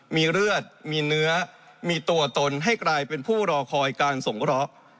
มีเลือดมีเนื้อมีตัวตนให้กลายเป็นผู้รอคอยการสงเคราะห์